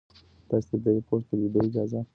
تاسي ته د دې پوسټ د لیدو اجازه نشته.